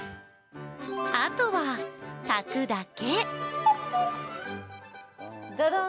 あとは炊くだけ。